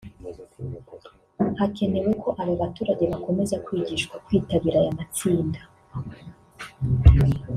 hakenewe ko aba baturage bakomeza kwigishwa kwitabira aya matsinda